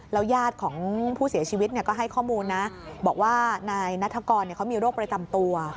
ญาติของผู้เสียชีวิตก็ให้ข้อมูลนะบอกว่านายนัฐกรเขามีโรคประจำตัว